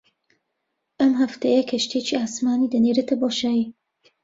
ئەم هەفتەیە کەشتییەکی ئاسمانی دەنێرێتە بۆشایی